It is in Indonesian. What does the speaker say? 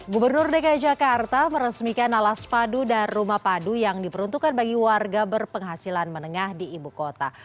gubernur dki jakarta meresmikan alas padu dan rumah padu yang diperuntukkan bagi warga berpenghasilan menengah di ibu kota